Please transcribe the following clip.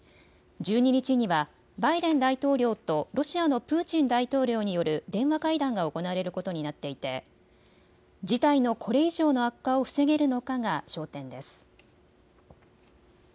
１２日にはバイデン大統領とロシアのプーチン大統領による電話会談が行われることになっていて事態のこれ以上の悪化を防げるのかが焦点です。